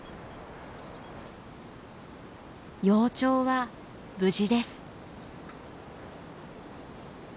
幼鳥は無事です。